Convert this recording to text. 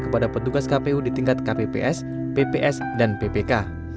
kepada petugas kpu di tingkat kpps pps dan ppk